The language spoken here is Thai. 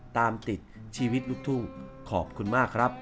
ตามติดชีวิตลูกทุ่งขอบคุณมากครับ